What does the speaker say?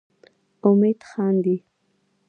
امید خاندي.